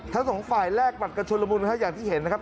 ทั้งสองฝ่ายแลกบัตรกันชนละมุนอย่างที่เห็นนะครับ